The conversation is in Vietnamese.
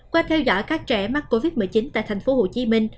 qua theo dõi các trẻ mắc covid một mươi chín tại tp hcm